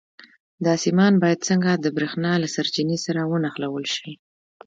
دا سیمان باید څنګه د برېښنا له سرچینې سره ونښلول شي؟